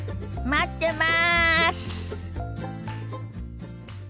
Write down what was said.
待ってます！